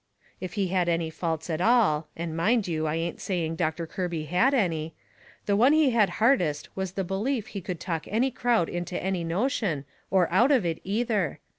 If he had any faults at all and mind you, I ain't saying Doctor Kirby had any the one he had hardest was the belief he could talk any crowd into any notion, or out of it, either.